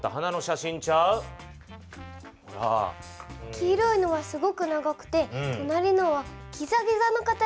黄色いのはすごく長くてとなりのはギザギザの形。